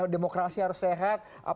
demokrasi harus sehat